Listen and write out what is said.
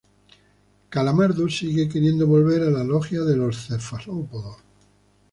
Calamardo sigue queriendo volver a la Logia de los cefalópodos.